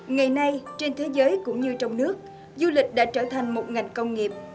ngày nay trên thế giới cũng như trong nước du lịch đã trở thành một ngành công nghiệp